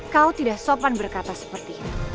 kau tidak sopan berkata seperti ini